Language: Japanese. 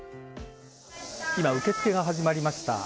今、受け付けが始まりました。